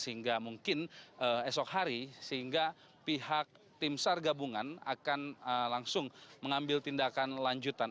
sehingga mungkin esok hari sehingga pihak tim sar gabungan akan langsung mengambil tindakan lanjutan